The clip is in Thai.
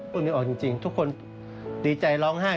พูดไม่ออกจริงทุกคนดีใจร้องไห้